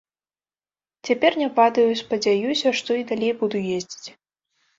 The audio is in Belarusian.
Цяпер не падаю і спадзяюся, што і далей буду ездзіць.